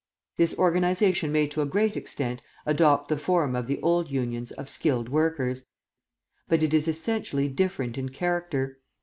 This organisation may to a great extent adopt the form of the old Unions of "skilled" workers, but it is essentially different in character.